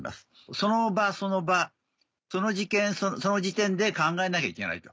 その場その場その時点で考えなきゃいけないと。